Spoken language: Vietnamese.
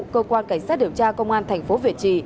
cơ quan cảnh sát điều tra công an tp việt trì